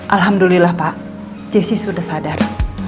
alhamdulillah pak jessi sudah sadar